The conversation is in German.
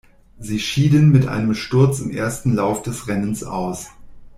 Sie schieden mit einem Sturz im ersten Lauf des Rennens aus.